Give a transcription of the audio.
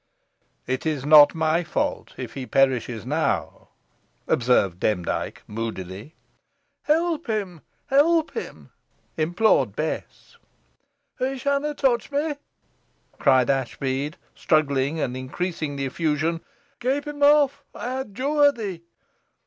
"It is not my fault if he perishes now," observed Demdike, moodily. "Help him help him!" implored Bess. "He shanna touch meh," cried Ashbead, struggling and increasing the effusion. "Keep him off, ey adjure thee.